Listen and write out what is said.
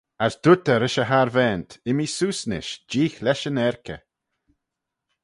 As dooyrt eh rish e harvaant, immee seose nish, jeeagh lesh yn 'aarkey.